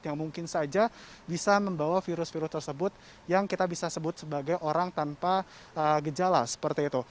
yang mungkin saja bisa membawa virus virus tersebut yang kita bisa sebut sebagai orang tanpa gejala seperti itu